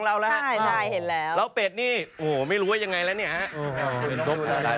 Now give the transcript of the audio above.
เราเลี่ยงไงนะครับ